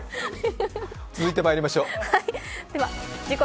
続いてまいりましょう。